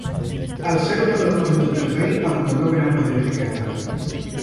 Al ser uno de los favoritos del rey, acumuló gran poder y riqueza.